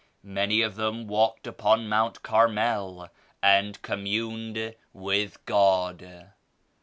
Many of them walked upon Mount Carmel and communed with God."